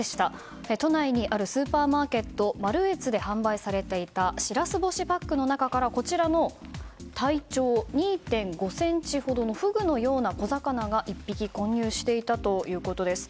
都内にあるスーパーマーケットマルエツで販売されていたシラス干しパックの中からこちらの体長２．５ｃｍほどのフグのような小魚が１匹混入していたということです。